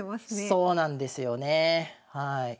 そうなんですよねはい。